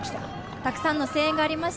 たくさんの声援がありました、